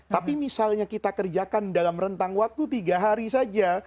tapi misalnya kita kerjakan dalam rentang waktu tiga hari saja